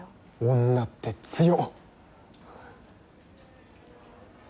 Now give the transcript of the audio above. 女って強っ。